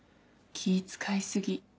気使い過ぎ。